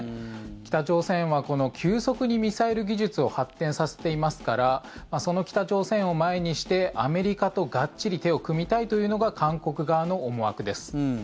北朝鮮は急速にミサイル技術を発展させていますからその北朝鮮を前にしてアメリカとがっちり手を組みたいというのが韓国側の思惑です。